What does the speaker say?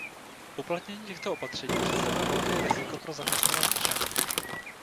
Uplatnění těchto opatření představuje velké riziko pro zaměstnanost žen.